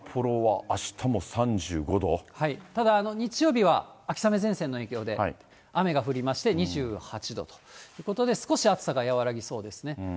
ただ、日曜日は秋雨前線の影響で、雨が降りまして、２８度と、少し暑さは和らぎそうですね。